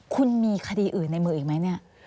คุณมีคดีอื่นในมืออีกไหมเนี่ย